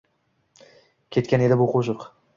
Ketgan edi bu qo’shiq.